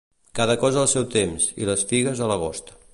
Cada cosa al seu temps, i les figues a l'agost.